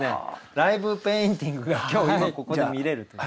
ライブペインティングが今日今ここで見れるという。